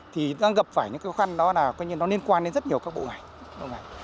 thì đang gặp phải những khó khăn đó là nó liên quan đến rất nhiều các bộ ngành